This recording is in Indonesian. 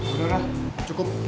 udah udah cukup